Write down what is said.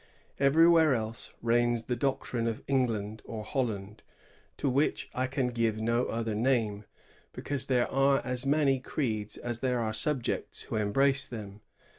Everywhere else reigns the doctrine of England or Holland, to which I can give no other name, because there are as many creeds as there are subjects who embrace them.